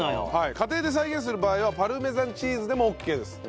家庭で再現する場合はパルメザンチーズでもオッケーです。